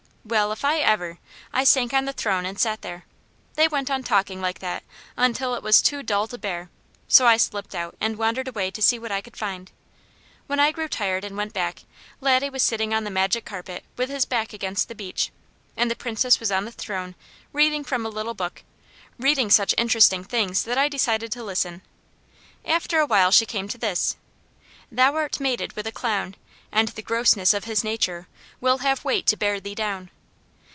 Well if I ever! I sank on the throne and sat there. They went on talking like that, until it was too dull to bear, so I slipped out and wandered away to see what I could find. When I grew tired and went back, Laddie was sitting on the Magic Carpet with his back against the beech, and the Princess was on the throne reading from a little book, reading such interesting things that I decided to listen. After a while she came to this: "Thou are mated with a clown, And the grossness of his nature, will have weight to bear thee down."